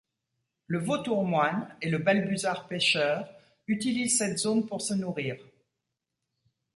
Le vautour moine et le balbuzard pêcheur utilisent cette zone pour se nourrir.